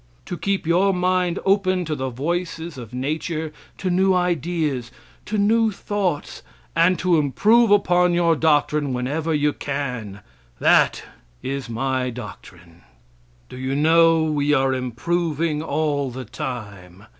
To keep your mind open to the voices of nature, to new ideas, to new thoughts, and to improve upon your doctrine whenever you can; that is my doctrine. Do you know we are improving all the time?